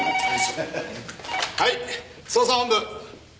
はい捜査本部。